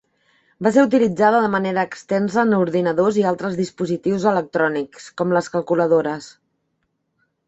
Va ser utilitzada de manera extensa en ordinadors i altres dispositius electrònics com les calculadores.